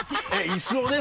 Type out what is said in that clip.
椅子をね